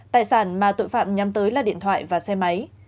tài sản mà tội phạm nhắm tới là điện thoại và xe máy